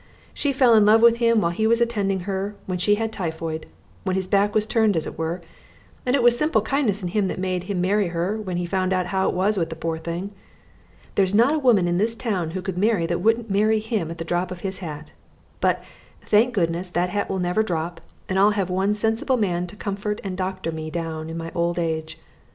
She fell in love with him while he was attending her when she had typhoid, when his back was turned as it were, and it was simple kindness in him that made him marry her when he found out how it was with the poor thing. There's not a woman in this town who could marry that wouldn't marry him at the drop of his hat but, thank goodness, that hat will never drop, and I'll have one sensible man to comfort and doctor me down into my old age.